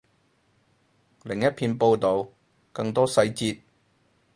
另一篇报道，更多细节